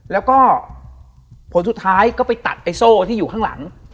แล้วก็ผลสุดท้ายก็ไปตัดไอ้โซ่ที่อยู่ข้างหลัง